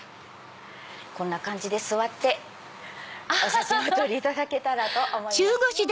こんな感じで座ってお写真をお撮りいただけたらと思います。